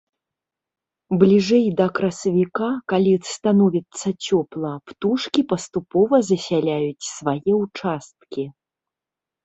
Бліжэй да красавіка, калі становіцца цёпла, птушкі паступова засяляюць свае ўчасткі.